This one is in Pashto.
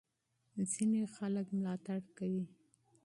ځینې خلک ملاتړ کوي.